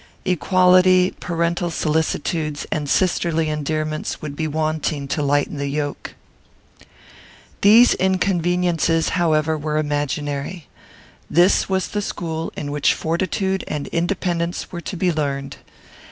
Equality, parental solicitudes, and sisterly endearments, would be wanting to lighten the yoke. These inconveniences, however, were imaginary. This was the school in which fortitude and independence were to be learned.